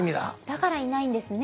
だからいないんですね